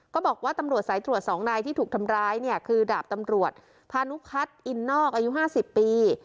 ก็บอกว่าตำรวจสายตรวจ๒นายที่ถูกทำร้ายเนี่ยคือดาบตำรวจพานุพัฒน์อินนอกอายุ๕๐ปี